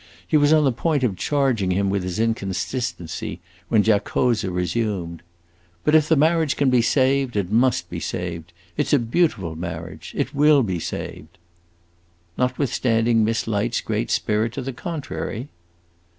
He was on the point of charging him with his inconsistency, when Giacosa resumed: "But if the marriage can be saved, it must be saved. It 's a beautiful marriage. It will be saved." "Notwithstanding Miss Light's great spirit to the contrary?"